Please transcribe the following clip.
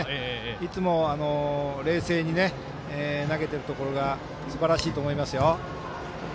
いつも、冷静に投げてるところがすばらしいと思いますよ。